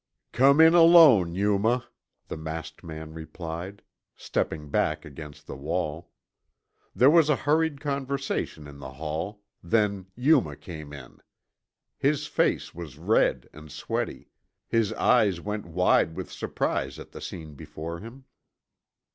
"Come in alone, Yuma," the masked man replied, stepping back against the wall. There was a hurried conversation in the hall, then Yuma came in. His face was red and sweaty. His eyes went wide with surprise at the scene before him.